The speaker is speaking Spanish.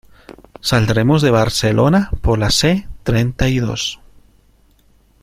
Saldremos de Barcelona por la C treinta y dos.